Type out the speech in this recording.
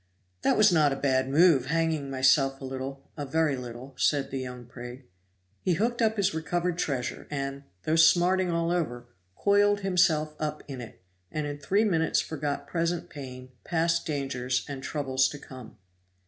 "That was not a bad move, hanging myself a little a very little," said the young prig. He hooked up his recovered treasure; and, though smarting all over, coiled himself up in it, and in three minutes forgot present pain, past dangers and troubles to come.